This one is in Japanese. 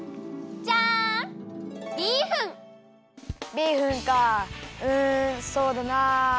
ビーフンかうんそうだな。